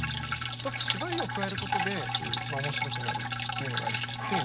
１つ縛りを加えることで面白くなるっていうのがあって。